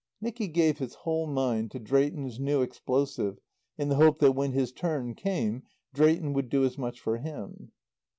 Nicky gave his whole mind to Drayton's new explosive in the hope that, when his turn came, Drayton would do as much for him.